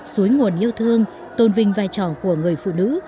suối nguồn yêu thương tôn vinh vai trò của người phụ nữ